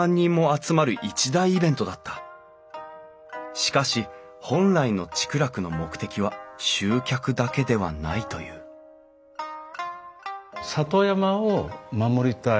しかし本来の竹楽の目的は集客だけではないという里山を守りたい。